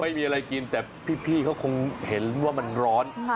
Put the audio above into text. ไม่มีอะไรกินแต่พี่เขาคงเห็นว่ามันร้อน